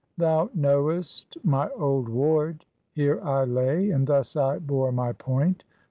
"Thou knowest my old ward; here I lay, and thus I bore my point.